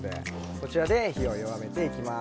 こちらで火を弱めていきます。